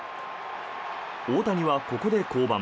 大谷はここで降板。